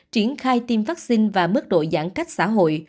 triển khai tiêm vaccine và mức độ giãn cách xã hội